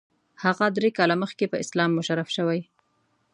هغه درې کاله مخکې په اسلام مشرف شوی.